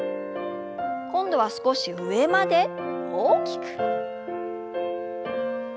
今度は少し上まで大きく。